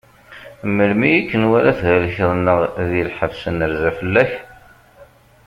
Melmi i k-nwala thelkeḍ neɣ di lḥebs, nerza fell-ak?